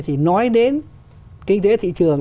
thì nói đến kinh tế thị trường